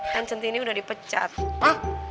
kan centini udah di pulang kampung